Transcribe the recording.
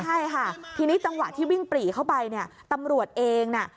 ใช่ค่ะทีนี้จังหวะที่วิ่งปรีเข้าไปเนี่ยตำรวจเองน่ะ